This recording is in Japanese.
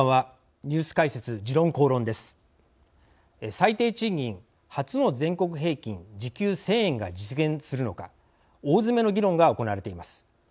最低賃金初の全国平均時給１，０００円が実現するのか大詰めの議論が行われています。